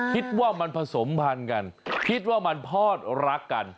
คิดว่ามันผสมพันธุ์กันคิดว่ามันพอดรักกัน